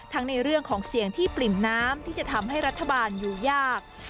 ในเรื่องของเสียงที่ปริ่มน้ำที่จะทำให้รัฐบาลอยู่ยาก